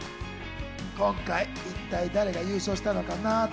今回、一体誰が優勝したのかなと。